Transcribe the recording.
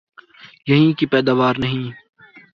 یہیں کی پیداوار نہیں؟